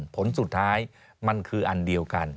ผลสุดท้ายมันคืออันเดียวกัน